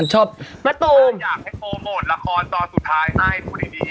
อยากให้โปรโมทละครตอนสุดท้ายไอ้ผู้ดี